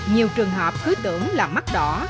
nhiều trường hợp cứ tưởng là mắt đỏ